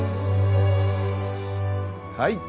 はい。